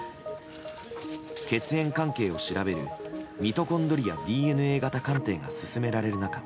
血縁関係を調べるミトコンドリアＤＮＡ型鑑定が進められる中